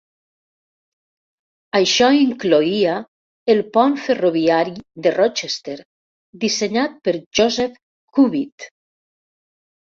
Això incloïa el pont ferroviari de Rochester, dissenyat per Joseph Cubitt.